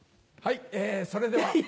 はいえそれでは。